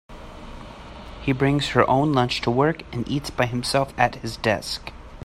He brings her own lunch to work, and eats by himself at his desk.